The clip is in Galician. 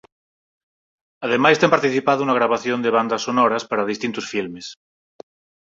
Ademais ten participado na gravación de bandas sonoras para distintos filmes.